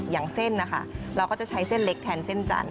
อย่างเส้นนะคะเราก็จะใช้เส้นเล็กแทนเส้นจันท